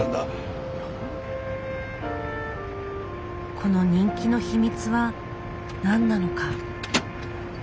この人気の秘密は何なのか。